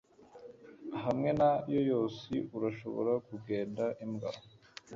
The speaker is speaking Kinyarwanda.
Hamwe na Yoyos urashobora kugenda imbwa